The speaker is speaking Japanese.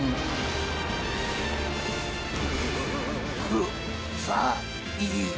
くさい。